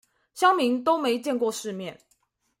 鄉民都沒見過世面